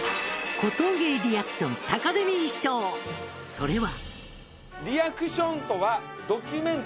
それは。